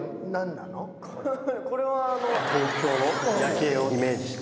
これは東京の夜景をイメージして。